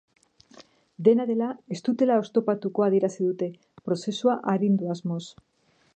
Dena dela, ez dutela oztopatuko adierazi dute, prozesua arindu asmoz.